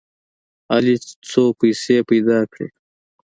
علي څو پیسې پیدا کړې.